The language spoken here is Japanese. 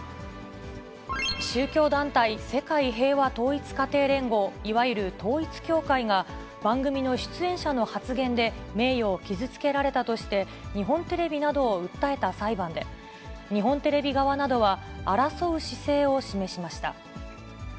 宗教団体、世界平和統一家庭連合、いわゆる統一教会が、番組の出演者の発言で名誉を傷つけられたとして、日本テレビなどを訴えた裁判で、日本テレビ側などは、争う姿勢を示しました。